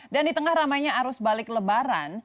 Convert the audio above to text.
dan di tengah ramainya arus balik lebaran